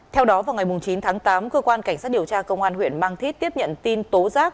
theo đó vào ngày chín tháng tám cơ quan cảnh sát điều tra công an huyện mang thít tiếp nhận tin tố giác